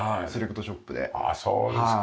ああそうですか。